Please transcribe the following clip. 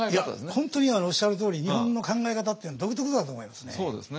本当におっしゃるとおり日本の考え方って独特だと思いますね。